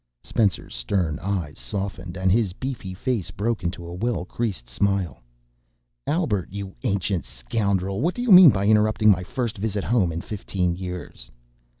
Spencer's stern eyes softened, and his beefy face broke into a well creased smile. "Albert, you ancient scoundrel. What do you mean by interrupting my first visit home in fifteen years?"